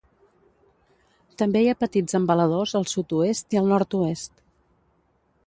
També hi ha petits embaladors al sud-oest i al nord-oest.